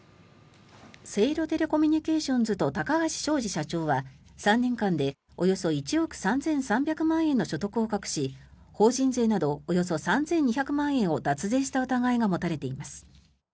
セイロテレコミュニケーションズと高橋正治社長は３年間でおよそ１億３３００万円の所得を隠し法人税などおよそ３２００万円を脱税した疑いが持たれています。